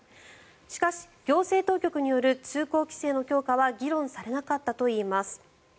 しかし、行政当局による通行規制の強化は議論されなかったといいます。